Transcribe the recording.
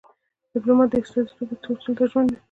ډيپلومات د استازیتوب اصولو ته ژمن وي.